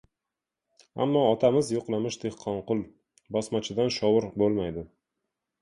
Ammo otamiz yo‘qlamish Dehqonqul... bosmachidan shovur bo‘lmaydi.